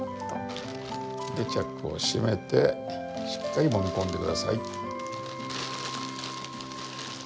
でチャックを閉めてしっかりもみ込んで下さい。